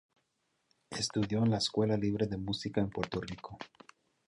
Estudió en la Escuela Libre de Música en Puerto Rico.